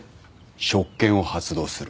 職権を発動する。